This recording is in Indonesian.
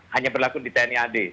hanya berlaku di tni ad